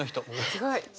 すごい。